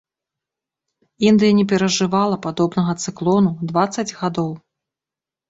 Індыя не перажывала падобнага цыклону дваццаць гадоў.